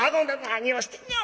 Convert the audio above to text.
何をしてんねん。